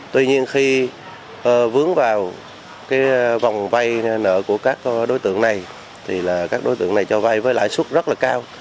tuy nhiên khi vướng vào cái vòng vay nợ của các đối tượng này thì là các đối tượng này cho vay với lãi suất rất là cao